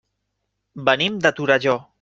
Venim de Torelló.